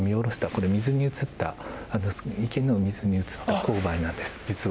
これ水に映った池の水に映った紅梅なんです実は。